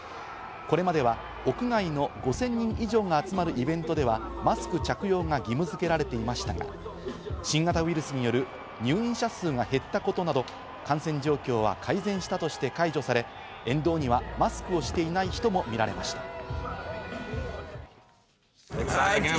これまでは屋外の５０００人以上が集まるイベントではマスク着用が義務づけられていましたが、新型ウイルスによる入院者数が減ったことなど感染状況は改善したとして解除され、沿道にはマスクをしていない人も見られました。